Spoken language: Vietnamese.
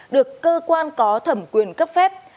được cơ quan có thẩm quyền cấp phép